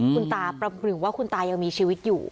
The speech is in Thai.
คุณตาปรับฝึกคุณตายังมีชีวิตอยู่